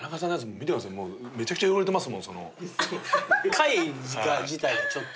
貝自体がちょっと。